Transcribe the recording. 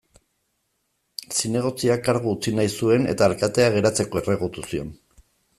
Zinegotziak kargu utzi nahi zuen eta alkateak geratzeko erregutu zion.